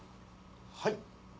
はい？